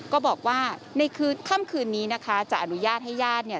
ก็บอกว่าในคำคืนนี้นะคะจะอนุญาตให้ญาติ